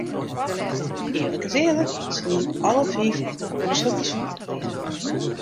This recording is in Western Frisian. Earlik is earlik, se wienen alle fiif o sa bysûnder.